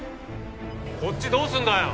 こっちどうすんだよ？